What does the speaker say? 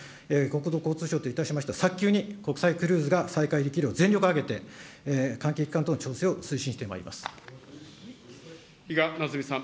国土交通省といたしましては、早急に国際クルーズが再開できるよう、全力を挙げて関係機関等との比嘉奈津美さん。